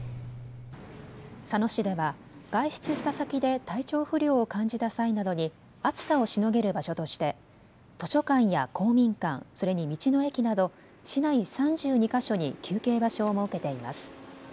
佐野市では外出した先で体調不良を感じた際などに暑さをしのげる場所として図書館や公民館、それに道の駅など市内３２か所に休憩場所を設けています。